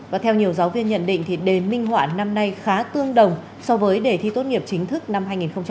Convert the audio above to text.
và theo nhiều giáo viên nhận định thì đề minh họa năm nay khá tương đồng so với đề thi tốt nghiệp chính thức năm hai nghìn hai mươi